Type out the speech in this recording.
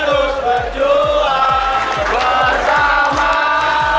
terus berjuang bersama kita pasti bisa